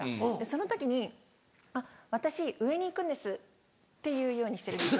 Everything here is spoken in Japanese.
その時に「私上に行くんです」って言うようにしてるんです。